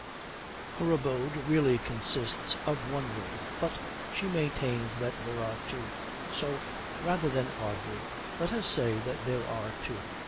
Her abode really consists of one room, but she maintains that there are two; so, rather than argue, let us say that there are two.